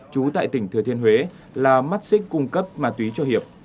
trú tại tỉnh thừa thiên huế là mắt xích cung cấp ma túy cho hiệp